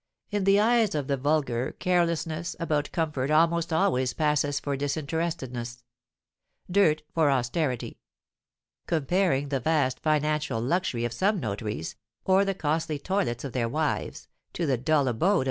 In the eyes of the vulgar, carelessness about comfort almost always passes for disinterestedness; dirt, for austerity. Comparing the vast financial luxury of some notaries, or the costly toilets of their wives, to the dull abode of M.